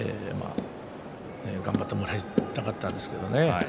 頑張ってもらいたかったんですけどね。